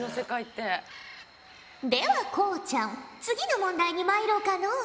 ではこうちゃん次の問題にまいろうかのう。